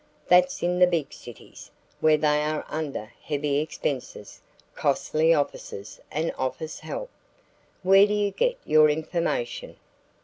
"That's in the big cities, where they are under heavy expenses costly offices and office help." "Where do you get your information?"